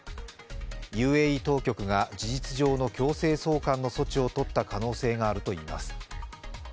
ＵＡＥ当局が事実上の強制送還の措置をとった可能性があるといいます。